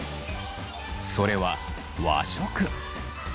それは和食。